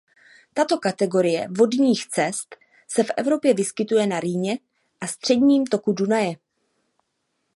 Tato kategorie vodních cest se v Evropě vyskytuje na Rýně a středním toku Dunaje.